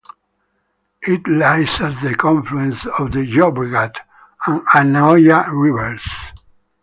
It lies at the confluence of the Llobregat and Anoia rivers.